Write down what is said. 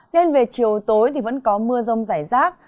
nên về chiều tối thì vẫn có mưa rông rải rác